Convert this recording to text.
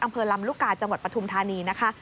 อำเภอลำลูกกาจังหวัดปฐุมธานีนะคะ